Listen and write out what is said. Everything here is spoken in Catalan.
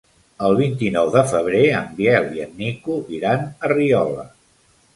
El vint-i-nou de febrer en Biel i en Nico iran a Riola.